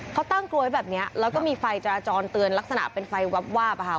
เขาตั้งกลวยแบบนี้แล้วก็มีไฟจราจรเตือนลักษณะเป็นไฟวาบวาบอะค่ะ